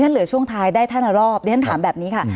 หลัยช่วงทายเดี๋ยวฉันถามแบบนี้ค่ะ